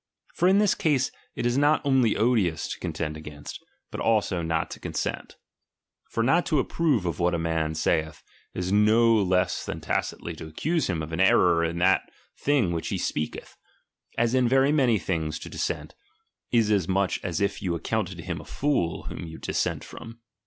For in this case it is not ouly odious to contend against, but also not to consent. For not to approve of what a man saith, is no less than tacitly to accuse him of an error in that thing which he speaketh : as in very many things to dissent, is as much as if you accounted him a fool whom you dissent from.